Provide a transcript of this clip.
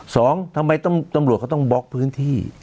สองทำไมตำรวจเขาต้องบล็อกพื้นที่